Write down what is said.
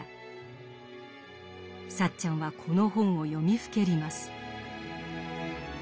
サッチャンはこの本を読みふけります。